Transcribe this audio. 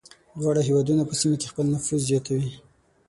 دواړه هېوادونه په سیمه کې خپل نفوذ زیاتوي.